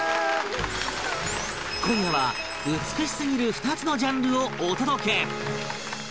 今夜は美しすぎる２つのジャンルをお届け